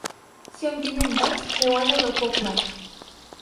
Si a Ontinyent vas, beu aigua del Pou Clar.